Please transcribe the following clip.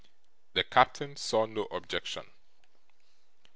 The captain saw no objection.